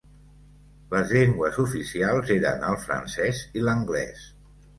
Les llengües oficials eren el francès i l'anglès.